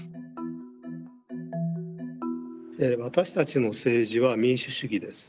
私たちの政治は民主主義です。